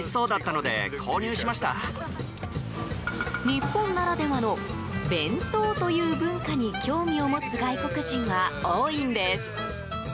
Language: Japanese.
日本ならではの「ＢＥＮＴＯ」という文化に興味を持つ外国人は多いんです。